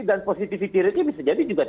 dan positivity rate nya bisa jadi juga